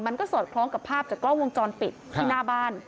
สอดคล้องกับภาพจากกล้องวงจรปิดที่หน้าบ้าน